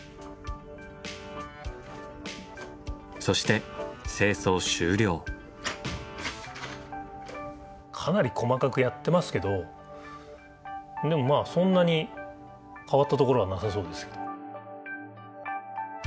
そしてかなり細かくやってますけどでもまあそんなに変わったところはなさそうですけど。